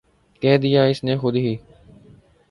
کہہ دیا اس نے خود ہی